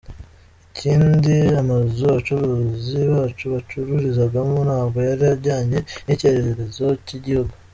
Ikindi amazu abacuruzi bacu bacururizagamo ntabwo yari ajyanye n’icyererezo cy’igihugu.